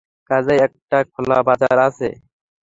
কাছেই একটা খোলা বাজার আছে।